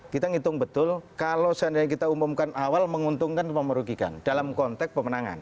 kita ngitung betul kalau seandainya kita umumkan awal menguntungkan atau merugikan dalam konteks pemenangan